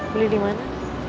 beli di mana